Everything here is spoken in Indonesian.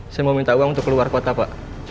saya mau minta uang untuk keluar kota pak